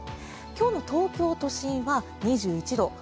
今日の東京都心は２１度。